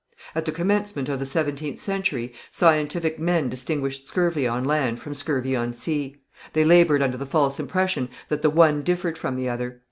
At the commencement of the seventeenth century scientific men distinguished scurvy on land from scurvy on sea. They laboured under the false impression that the one differed from the other.